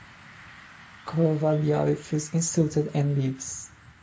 Kovalyov feels insulted and leaves.